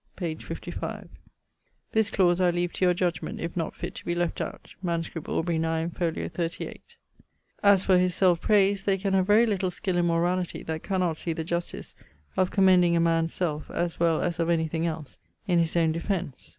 p. 55. [CV.] This clause I leave to your judgment, if not fitt to be left out. MS. Aubr. 9, fol. 38ᵛ. 'As for his selfe prayse[CVI.], they can have very little skill in morality, that cannot see the justice of commending a man's selfe, as well as of any thing else, in his own defence.'